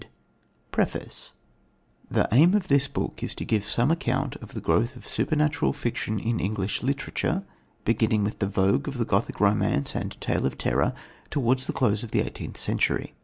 1921 PREFACE The aim of this book is to give some account of the growth of supernatural fiction in English literature, beginning with the vogue of the Gothic Romance and Tale of Terror towards the close of the eighteenth century.